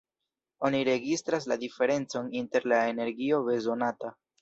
Oni registras la diferencon inter la energio bezonata.